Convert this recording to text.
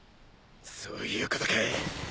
そういうことか。